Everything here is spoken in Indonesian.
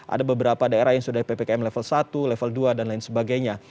ada beberapa daerah yang sudah ppkm level satu level dua dan lain sebagainya